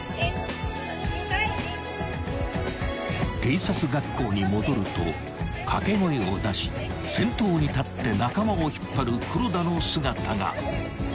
［警察学校に戻ると掛け声を出し先頭に立って仲間を引っ張る黒田の姿が］